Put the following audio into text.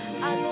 あ